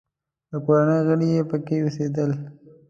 د کورنۍ غړي یې پکې اوسېدل.